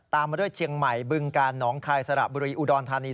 มาด้วยเชียงใหม่บึงกาลหนองคายสระบุรีอุดรธานี